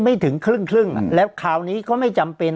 ถึงครึ่งแล้วคราวนี้ก็ไม่จำเป็น